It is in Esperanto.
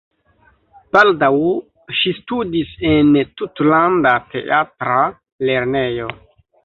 Baldaŭ ŝi studis en Tutlanda Teatra Lernejo.